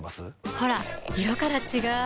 ほら色から違う！